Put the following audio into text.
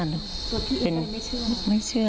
ตัวพี่เองใครไม่เชื่อ